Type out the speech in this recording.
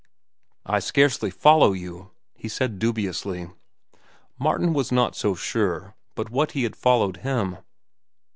"I scarcely follow you," he said dubiously. Martin was not so sure but what he had followed him.